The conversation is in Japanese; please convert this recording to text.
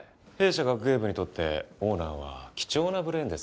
弊社学芸部にとってオーナーは貴重なブレーンですから。